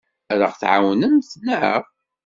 Ad aɣ-tɛawnemt, naɣ?